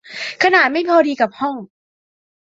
ขนาดไม่พอดีกับห้อง